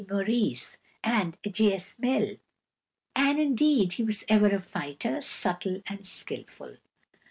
Maurice, with J. S. Mill, and indeed he was ever a fighter, subtle and skilful.